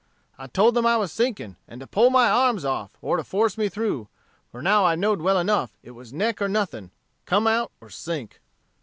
I told them I was sinking, and to pull my arms off, or force me through, for now I know'd well enough it was neck or nothing, come out or sink.